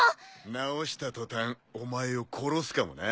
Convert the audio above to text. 治した途端お前を殺すかもな。